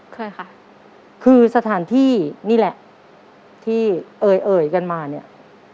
เคยค่ะคือสถานที่นี่แหละที่เอ่ยเอ่ยกันมาเนี่ย